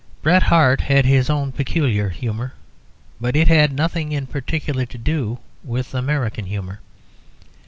Bret Harte had his own peculiar humour, but it had nothing in particular to do with American humour.